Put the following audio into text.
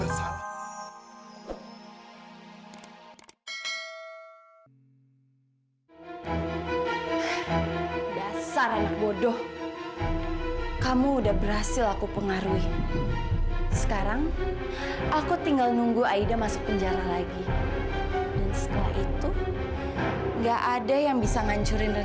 sampai jumpa di video selanjutnya